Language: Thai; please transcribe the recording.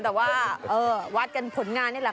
แต่ว่าวัดกันผลงานนี่แหละ